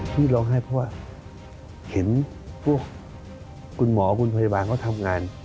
ที่ร้องไห้เพราะว่าเห็นพวกคุณหมอคุณพยาบาลเขาทำงาน